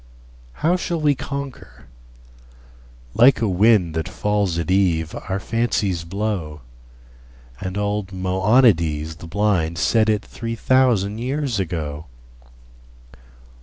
How shall we conquer? Like a wind That falls at eve our fancies blow, And old Moeonides the blind Said it three thousand years ago.